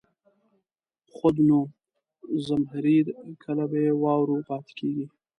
خود نو، زمهریر کله بې واورو پاتې کېږي.